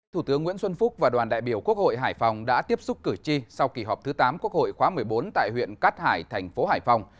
thủ tướng nguyễn xuân phúc và đoàn đại biểu quốc hội hải phòng đã tiếp xúc cử tri sau kỳ họp thứ tám quốc hội khóa một mươi bốn tại huyện cát hải thành phố hải phòng